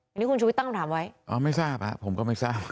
อันนี้คุณชุวิตตั้งคำถามไว้อ๋อไม่ทราบอ่ะผมก็ไม่ทราบ